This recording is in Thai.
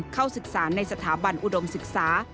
เข้าศึกษาในสถาบันอุดมศึกษา